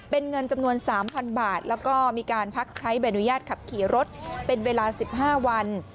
เป็นเงินจำนวน๓๐๐๐บาทแล้วก็มีการพักใช้ใบอนุญาตขับขี่รถเป็นเวลา๑๕วัน